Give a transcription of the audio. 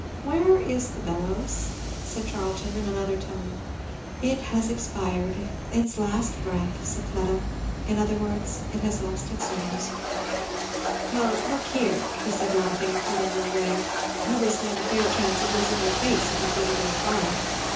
"Where is the bellows?" said Charlton in another tone. "It has expired its last breath," said Fleda. "In other words, it has lost its nose." "Well, look here," said he laughing and pulling her away, "you will stand a fair chance of losing your face if you put it in the fire.